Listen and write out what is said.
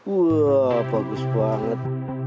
wah bagus banget